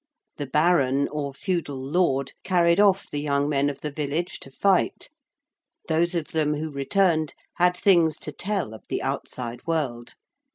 The Baron, or Feudal Lord, carried off the young men of the village to fight: those of them who returned had things to tell of the outside world.